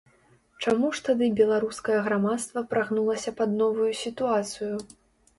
Чаму ж тады беларускае грамадства прагнулася пад новую сітуацыю?